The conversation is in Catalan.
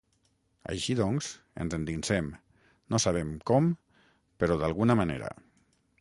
Així doncs, ens endinsem, no sabem com, però d'alguna manera.